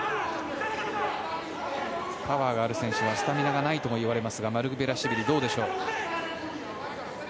パワーがある選手がスタミナがないともいわれますがマルクベラシュビリはどうでしょう。